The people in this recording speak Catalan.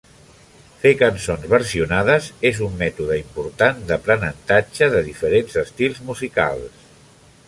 Fer cançons versionades és un mètode important d'aprenentatge de diferents estils musicals.